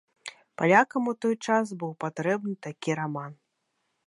Палякам у той час быў патрэбны такі раман.